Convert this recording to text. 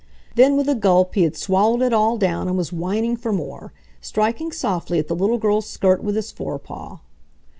Then with a gulp he had swallowed it all down and was whining for more, striking softly at the little girl's skirt with his forepaw.